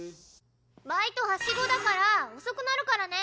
バイトはしごだから遅くなるからね！